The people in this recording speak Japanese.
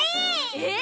えっ？